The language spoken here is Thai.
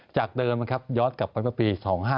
จากเดินมันย้อนกลับไปปี๒๕๕๔